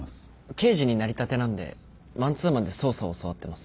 刑事になりたてなんでマンツーマンで捜査を教わってます。